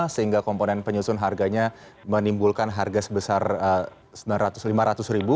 sehingga komponen penyusun harganya menimbulkan harga sebesar rp sembilan ratus lima ratus